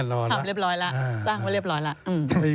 ทำเรียบร้อยแล้วสร้างไว้เรียบร้อยแล้ว